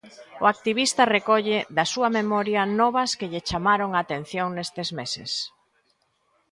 O activista recolle da súa memoria novas que lle chamaron a atención nestes meses.